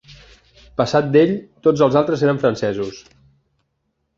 Passat d'ell, tots els altres eren francesos.